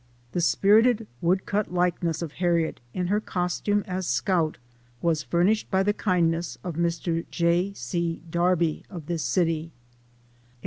The spirited wood cut likeness of Harriet, in her costume as scout, was furnished by the kindness of Mr. J. C. Darby, of this city.